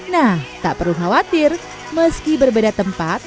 nah tak perlu khawatir meski berbeda tempat